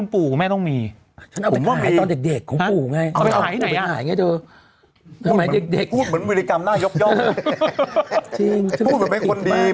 พูดเหมือนวิริกรรมน่ายอบ